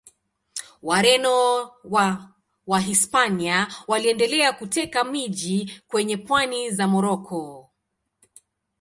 Wareno wa Wahispania waliendelea kuteka miji kwenye pwani za Moroko.